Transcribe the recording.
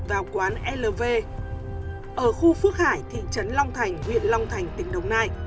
vào quán lv ở khu phước hải thị trấn long thành huyện long thành tỉnh đồng nai